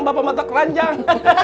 bapak mata keranjang